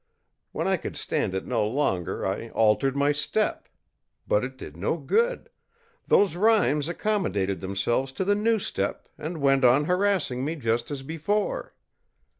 When I could stand it no longer I altered my step. But it did no good; those rhymes accommodated themselves to the new step and went on harassing me just as before.